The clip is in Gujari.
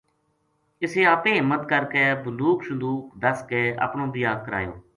اس اَپے ہمت کر کے بندوکھ شندوکھ دَس کے اپنو بیاہ کرایو